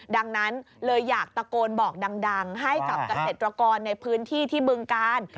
ดังนั้นเลยอยากตะโกนบอกดังให้กับเกษตรกรในพื้นที่ที่บึงกาล